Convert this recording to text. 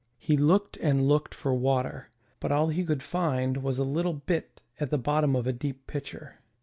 He looked and looked for water, but all he could find was a little bit at the bottom of a deep pitcher.